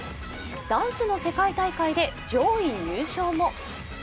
ダンスの世界大会で上位入賞も。